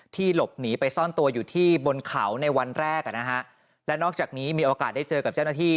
หลบหนีไปซ่อนตัวอยู่ที่บนเขาในวันแรกอ่ะนะฮะและนอกจากนี้มีโอกาสได้เจอกับเจ้าหน้าที่